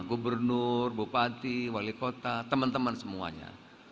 gubernur bupati wali kota teman teman semuanya